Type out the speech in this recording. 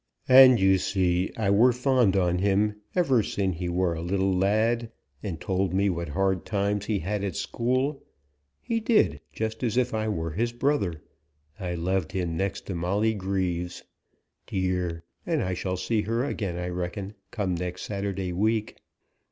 And you see, I were fond on him ever sin' he were a little lad, and told me what hard times he had at school, he did, just as if I were his brother! I loved him next to Molly Greaves. Dear! and I shall see her again, I reckon, come next Saturday week!